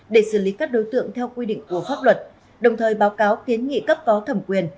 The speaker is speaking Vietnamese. để xử lý các đối tượng theo quy định của pháp luật đồng thời báo cáo kiến nghị cấp có thẩm quyền